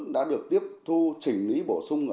đã được tiếp thu trình lý bổ sung